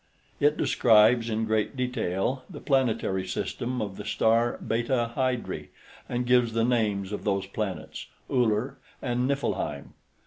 It describes in great detail the planetary system of the star Beta Hydri, and gives the names of those planets: Uller and Niflheim.